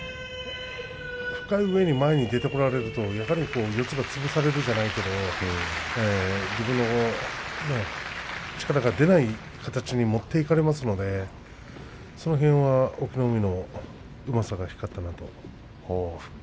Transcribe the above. そのうえ、前に出てこられると潰されるじゃないですけれども自分の力が出ない形に持っていかれますのでその辺は隠岐の海のうまさが光ったなと。